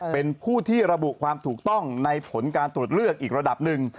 เป็นผู้ที่ระบุความถูกต้องในผลการตรวจเลือกอีกระดับหนึ่ง